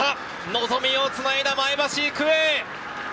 望みをつないだ前橋育英。